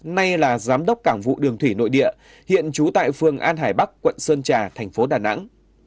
nay là giám đốc cảng vụ đường thủy nội địa hiện trú tại phường an hải bắc quận sơn trà thành phố đà nẵng